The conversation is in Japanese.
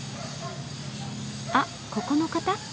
あっここの方？